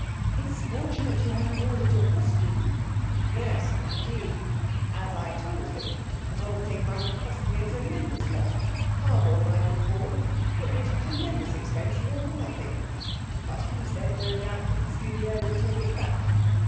'It's fortunate you hadn't ordered your costume.' 'Yes, indeed. As I told him, the whole thing might have cost me a tremendous lot far more than I could afford put me to tremendous expense; and all for nothing! But he said no doubt the costumier would take it back.